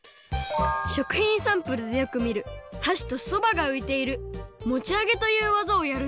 食品サンプルでよくみるはしとそばがういているもちあげというわざをやるんだって。